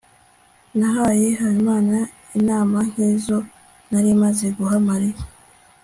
nahaye habimana inama nkizo nari maze guha mariya